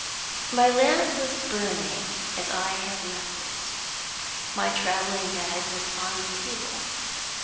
My lamp was burning as I had left it; my traveling bag was on the table.